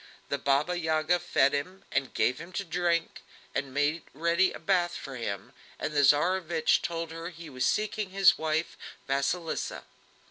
The Baba Yaga fed him and gave him to drink, and made ready a bath for him, and the Tsarevich told her he was seeking his wife, Vasilisa.